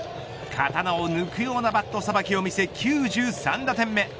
刀を抜くようなバットさばきを見せ９３打点目。